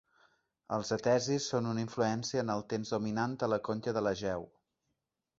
Els etesis són una influència en el temps dominant a la conca de l'Egeu.